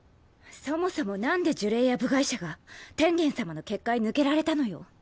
そもそもなんで呪霊や部外者が天元様の結界抜けられたのよ？